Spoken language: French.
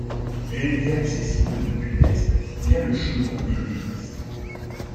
Elle était accessible depuis l'est via le chemin des Délices.